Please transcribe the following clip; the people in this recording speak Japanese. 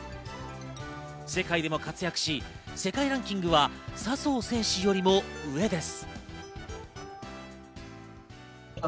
世界でも活躍し、世界ランキングは笹生選手よりも上です。